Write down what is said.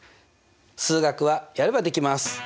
数学はやればできます！